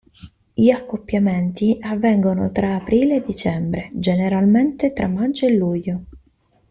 Gli accoppiamenti avvengono tra aprile e dicembre, generalmente tra maggio e luglio.